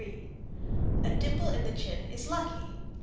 A dimple in the chin is lucky.